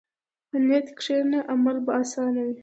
په نیت کښېنه، عمل به اسانه وي.